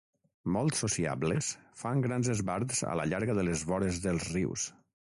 Molt sociables, fan grans esbarts a la llarga de les vores dels rius.